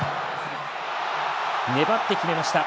粘って決めました。